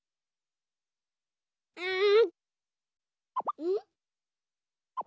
うん。